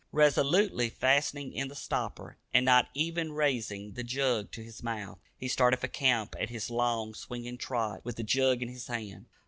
Resolutely fastening in the stopper, and not even raising the jug to his mouth, he started for camp at his long, swinging trot, with the jug in his hand.